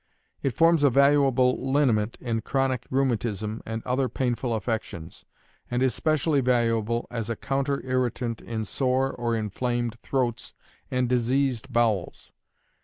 It forms a valuable liniment in chronic rheumatism and other painful affections, and is specially valuable as a counter irritant in sore or inflamed throats and diseased bowels.